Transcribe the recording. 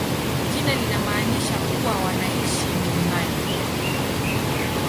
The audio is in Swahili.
Jina linamaanisha kuwa wanaishi milimani.